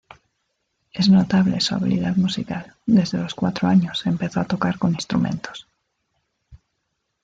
Es notable su habilidad musical, desde los cuatro años, empezó a tocar con instrumentos.